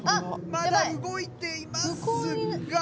まだ動いていますが。